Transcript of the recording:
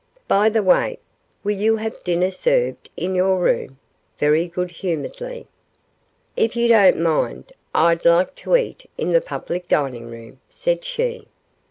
"By the way, will you have dinner served in your room?" very good humoredly. "If you don't mind, I'd like to eat in the public dining room," said she.